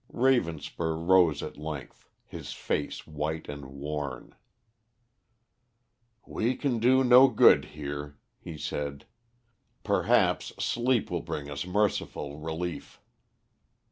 Ravenspur rose at length, his face white and worn. "We can do no good here," he said. "Perhaps sleep will bring us merciful relief."